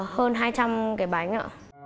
hơn hai trăm linh cái bánh ạ